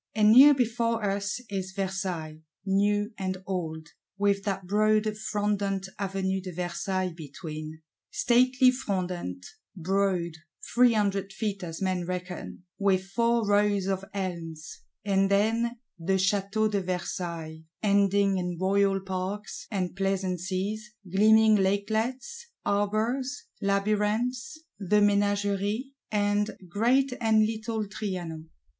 And near before us is Versailles, New and Old; with that broad frondent Avenue de Versailles between,—stately frondent, broad, three hundred feet as men reckon, with four Rows of Elms; and then the Château de Versailles, ending in royal Parks and Pleasances, gleaming lakelets, arbours, Labyrinths, the Ménagerie, and Great and Little Trianon.